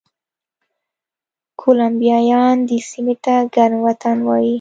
کولمبیایان دې سیمې ته ګرم وطن وایي.